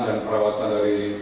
yang bersambungkan kondisi dialahnya